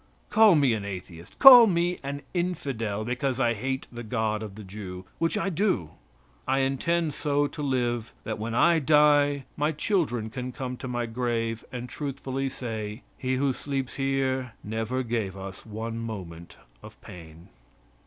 Call me an atheist; call me an infidel because I hate the God of the Jew which I do. I intend so to live that when I die my children can come to my grave and truthfully say: "He who sleeps here never gave us one moment of pain."